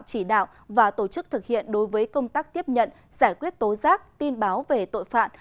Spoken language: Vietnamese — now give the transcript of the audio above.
chỉ đạo và tổ chức thực hiện đối với công tác tiếp nhận giải quyết tố giác tin báo về tội phạm